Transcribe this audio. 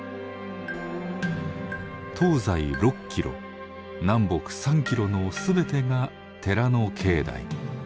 東西６キロ南北３キロの全てが寺の境内。